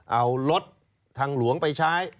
เอารถทางหลวงไปใช้